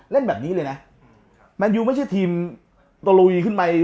เล่นแบบนี้เลยนะแมนยูไม่ใช่ทีมโตโลวีขึ้นไป